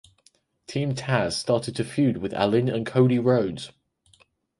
Team Taz started to feud with Allin and Cody Rhodes.